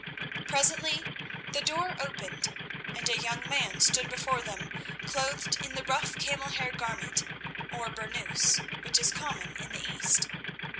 Presently the door opened, and a young man stood before them clothed in the rough camel hair garment, or burnous, which is common in the East.